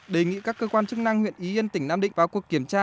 đề nghị các cơ quan chức năng huyện yên tỉnh nam định vào cuộc kiểm tra xử lý